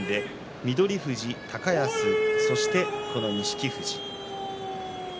翠富士、高安そしてこの錦富士。